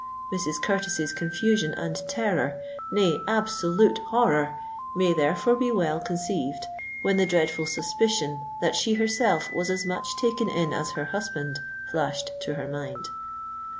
Mrs. Curtis's confusion and terror,—nay, absolute horror, may therefore be well conceived, when the dreadful suspicion that she herself was as much taken in as her husband, flashed to her mind.